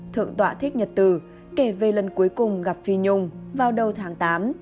thượng tọa thích nhật từ kể về lần cuối cùng gặp phi nhung vào đầu tháng tám